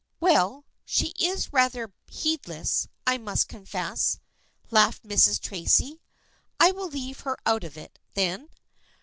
"Well, she is rather heedless, I must confess," laughed Mrs. Tracy. " I will leave her out of it, then."